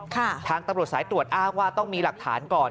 ทางตำรวจสายตรวจอ้างว่าต้องมีหลักฐานก่อน